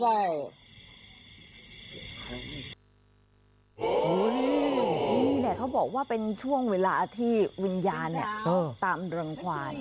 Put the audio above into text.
นี่เขาบอกว่าเป็นช่วงเวลาที่วิญญาณตามรังควาย